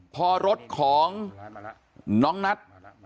พอรถของน้องนัท